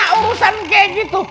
uusan kayak gitu